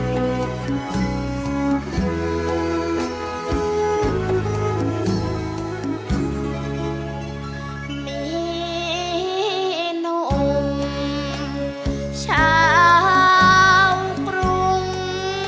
มีหนุ่มชาวกรุง